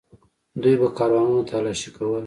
دوی به کاروانونه تالاشي کول.